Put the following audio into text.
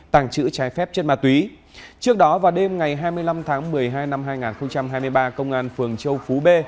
tàng trữ trái phép chất ma túy trước đó vào đêm ngày hai mươi năm tháng một mươi hai năm hai nghìn hai mươi ba công an phường châu phú b